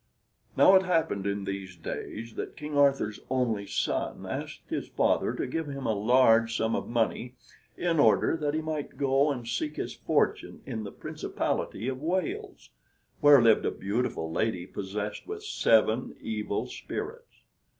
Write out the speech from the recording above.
Now, it happened in these days that King Arthur's only son asked his father to give him a large sum of money, in order that he might go and seek his fortune in the principality of Wales, where lived a beautiful lady possessed with seven evil spirits.